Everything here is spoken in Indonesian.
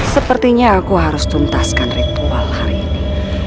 sepertinya aku harus tuntaskan ritual hari ini